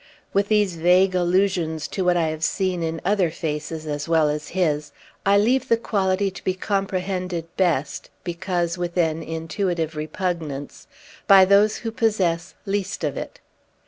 With these vague allusions to what I have seen in other faces as well as his, I leave the quality to be comprehended best because with an intuitive repugnance by those who possess least of it.